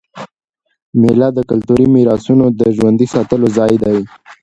مېله د کلتوري میراثونو د ژوندي ساتلو ځای دئ.